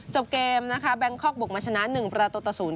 จบเกมนะคะแบงคอกบุกมาชนะ๑ประตูต่อ๐